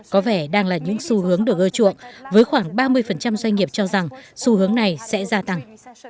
có vẻ đang là những xu hướng được ưa chuộng với khoảng ba mươi doanh nghiệp cho rằng xu hướng này sẽ gia tăng